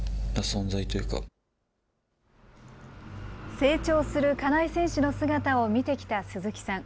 成長する金井選手の姿を見てきた鈴木さん。